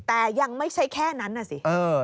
แต่ยังไม่ใช่แค่นั้นน่ะสิ